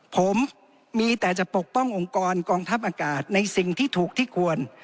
ผมมีแต่จะปกป้ององค์กรกองทัพอากาศในสิ่งที่ถูกที่ควร